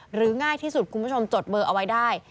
ง่ายที่สุดคุณผู้ชมจดเบอร์เอาไว้ได้